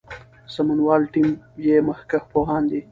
سمونوال ټیم یې مخکښ پوهان دي.